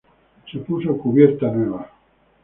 Se puso cubierta nueva.